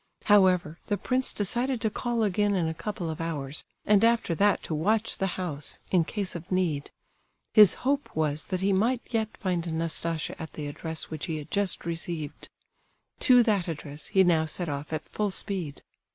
However, the prince decided to call again in a couple of hours, and after that to watch the house, in case of need. His hope was that he might yet find Nastasia at the address which he had just received. To that address he now set off at full speed.